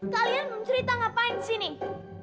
kalian mencerita ngapain sih nih